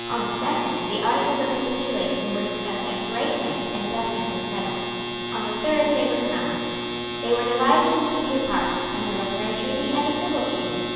On the second the articles of capitulation were discussed at great length and definitely settled. On the third they were signed. They were divided into two parts, a military treaty and a civil treaty.